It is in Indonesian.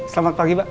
selamat pagi pak